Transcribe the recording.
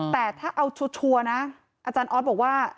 แต่ถ้าเอาชัวร์นะอาจารย์ออสบอกว่า